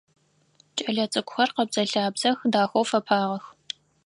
Кӏэлэцӏыкӏухэр къэбзэ-лъабзэх, дахэу фэпагъэх.